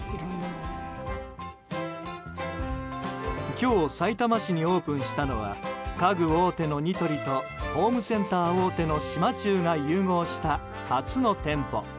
今日さいたま市にオープンしたのは家具大手のニトリとホームセンター大手の島忠が融合した初の店舗。